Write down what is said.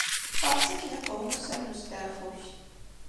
Faṛes akken iqwem ussan n usteɛfu-k.